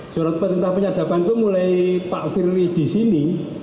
surat perintah penyadapan itu mulai pak firly di sini